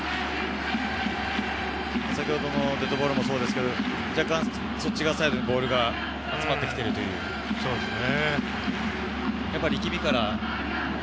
先ほどのデッドボールもそうですが、若干そっち側サイドにボールが集まってきているといそうですね。